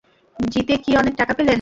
জিতে কি অনেক টাকা পেলেন?